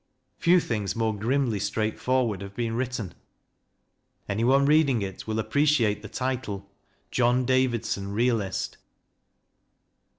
Few things more grimly straightforward have been written. Anyone reading it will appreciate the title, "John Davidson, Realist."